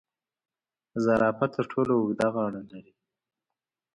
زرافه تر ټولو اوږده غاړه لري